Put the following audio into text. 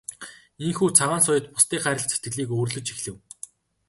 Ийнхүү Цагаан соёот бусдыг хайрлах сэтгэлийг өвөрлөж эхлэв.